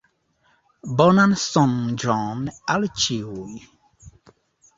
Bonan sonĝon al ĉiuj!